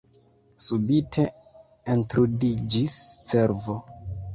Subite entrudiĝis cervo.